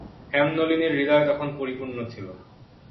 হেমনলিনীর হৃদয় তখন পরিপূর্ণ ছিল।